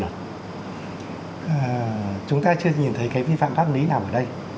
và chúng ta chưa nhìn thấy cái vi phạm pháp lý nào ở đây